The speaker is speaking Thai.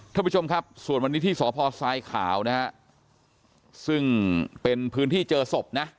ท่านผู้ชมครับส่วนวันนี้ที่สพทรายขาวนะฮะซึ่งเป็นพื้นที่เจอศพนะ